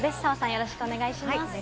よろしくお願いします。